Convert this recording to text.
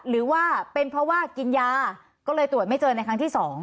หรือว่าเป็นเพราะว่ากินยาก็เลยตรวจไม่เจอในครั้งที่๒